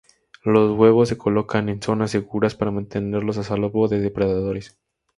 Los huevos se colocan en zonas seguras para mantenerlos a salvo de depredadores.